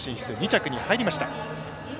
２着に入りました。